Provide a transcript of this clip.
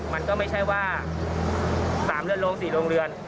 มันก็ไม่ใช่ว่า๓เรือนโรง๔โรงเรือน